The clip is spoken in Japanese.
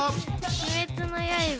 「鬼滅の刃」。